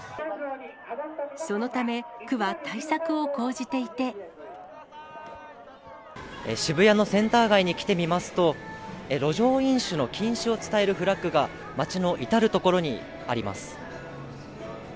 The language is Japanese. そのため、渋谷のセンター街に来てみますと、路上飲酒の禁止を伝えるフラッグが街の至る所にあります。